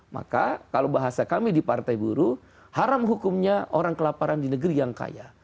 maka kalau bahasa kami di partai buruh haram hukumnya orang kelaparan di negeri yang kaya